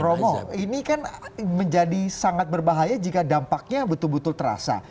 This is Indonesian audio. romo ini kan menjadi sangat berbahaya jika dampaknya betul betul terasa